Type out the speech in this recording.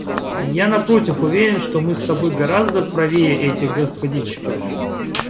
Я, напротив, уверен, что мы с тобой гораздо правее этих господчиков.